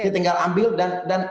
tinggal ambil dan